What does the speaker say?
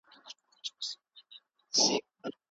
منم که دیده نیالوده ام به بد دیدن »